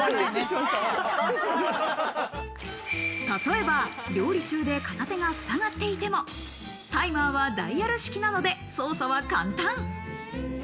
例えば料理中で片手がふさがっていても、タイマーはダイヤル式なので操作は簡単。